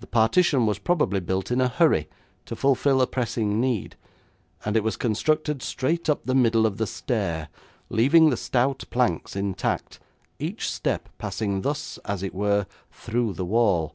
The partition was probably built in a hurry to fulfil a pressing need, and it was constructed straight up the middle of the stair, leaving the stout planks intact, each step passing thus, as it were, through the wall.